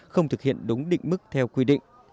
không thực hiện đúng định mức theo quy định